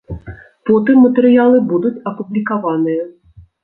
Потым матэрыялы будуць апублікаваныя.